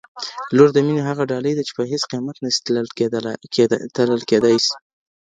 لور د مینې هغه ډالۍ ده چي په هیڅ قیمت نه سي تلل کيدای.